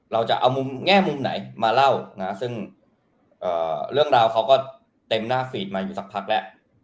เราจะเอาแง่มุมไหนมาเล่านะซึ่งเรื่องราวเขาก็เต็มหน้าฟีดมาอยู่สักพักแล้ว